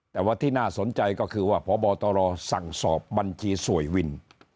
แต่ว่าที่น่าสนใจก็คือว่าพบตรสั่งสอบบัญชีสวยวิน